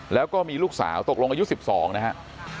แล้วก็มีลูกสาวตกลงอายุ๑๒นะครับ